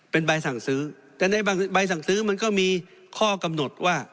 เป็นใบสั่งซื้อแต่ในใบสั่งซื้อมันก็มีข้อกำหนดว่า